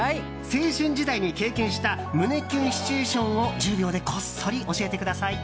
青春時代に経験した胸キュンシチュエーションを１０秒でこっそり教えてください！